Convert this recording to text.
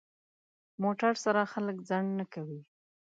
موټر سره خلک ځنډ نه کوي.